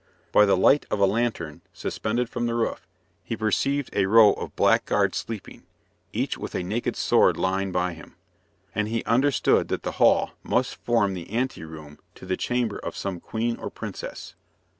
By the light of a lantern suspended from the roof, he perceived a row of black guards sleeping, each with a naked sword lying by him, and he understood that the hall must form the ante room to the chamber of some queen or princess.